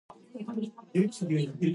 It's a big problem.